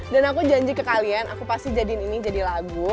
dan aku janji ke kalian aku pasti jadiin ini jadi lagu